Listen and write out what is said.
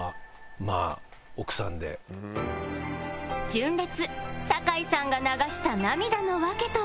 純烈酒井さんが流した涙の訳とは？